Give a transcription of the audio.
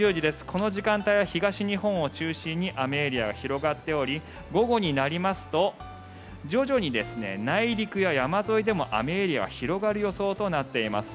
この時間帯は東日本を中心に雨エリアが広がっており午後になりますと徐々に内陸や山沿いでも雨エリアが広がる予想となっています。